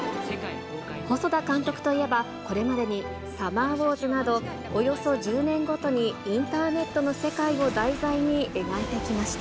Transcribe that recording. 細田監督といえば、これまでにサマーウォーズなど、およそ１０年ごとにインターネットの世界を題材に描いてきました。